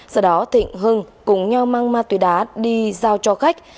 sau đó thịnh hưng cùng nhau mang ma túy đá đi giao cho khách